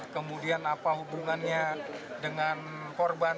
kemudian apa hubungannya dengan korban